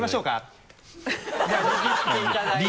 握っていただいて。